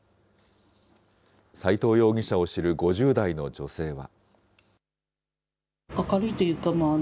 齋藤容疑者を知る５０代の女性は。